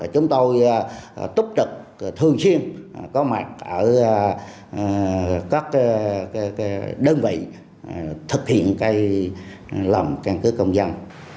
chúng tôi tốt trực thường xuyên có mặt ở các đơn vị thực hiện cái lòng căn cứ công dân